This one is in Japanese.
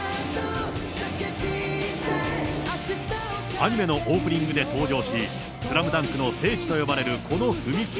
アニメのオープニングで登場し、スラムダンクの聖地と呼ばれるこの踏切。